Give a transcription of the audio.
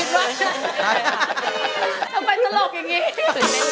ทำเป็นตลกอย่างนี้